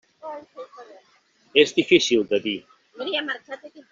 És difícil de dir.